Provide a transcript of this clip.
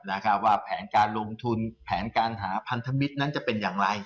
นะครับว่าแผนการลงทุนแผนการหาพันธมิตรนั้นจะเป็นอย่างไร